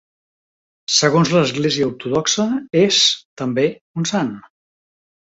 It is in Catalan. Segons l'església ortodoxa és, també, un sant.